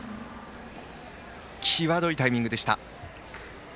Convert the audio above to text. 際どいタイミングでした。